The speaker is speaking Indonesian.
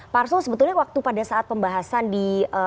pak arsul sebetulnya waktu pada saat pembahasan di